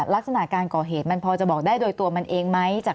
ลักษณะการก่อเหตุมันพอจะบอกได้โดยตัวมันเองไหม